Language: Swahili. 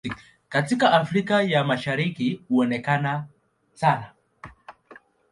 Katika Afrika ya Mashariki huonekana sana.